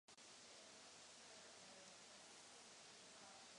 Abychom toho dosáhli, měli bychom stanovit strop.